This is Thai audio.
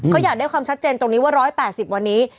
เขาอยากได้ความชัดเจนตรงนี้ว่า๑๘๐วันนี้